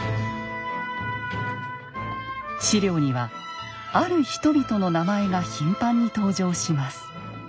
史料にはある人々の名前が頻繁に登場します。